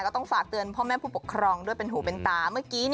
ต้องฝากเตือนพ่อแม่ผู้ปกครองด้วยเป็นหูเป็นตาเมื่อกี้